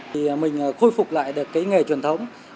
thì mình khôi phục lại được cái nghề truyền thống